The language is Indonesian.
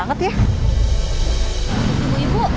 parah banget ya